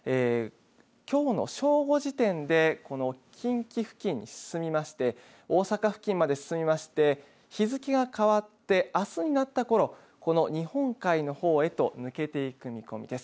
きょうの正午時点でこの近畿付近に進みまして大阪付近まで進みまして日付が変わってあすになったころこの日本海の方へと抜けていく見込みです。